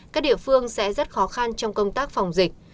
các địa phương sẽ rất khó khăn trong công tác phòng dịch